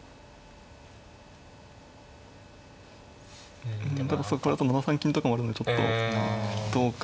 うんただそこからあと７三金とかもあるのでちょっとどうか。